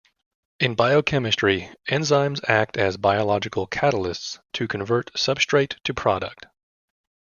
In biochemistry, enzymes act as biological catalysts to convert substrate to product.